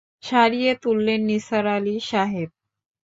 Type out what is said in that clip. সারিয়ে তুললেন নিসার আলি সাহেব।